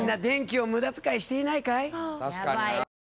確かにな。